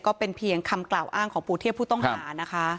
ก็เป็นเพียงคำกล่าวอ้างของปู่เทียบผู้ต้องหานะคะ